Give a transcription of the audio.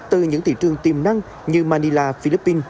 từ những thị trường tiềm năng như manila philippines